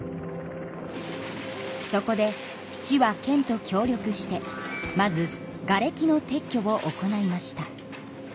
そこで市は県と協力してまずがれきの撤去を行いました。